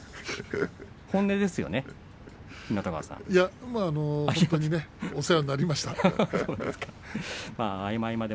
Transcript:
本当にねお世話になりました。